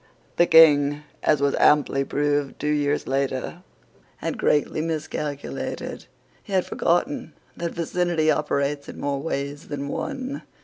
The King, as was amply proved two years later, had greatly miscalculated. He had forgotten that vicinity operates in more ways than one.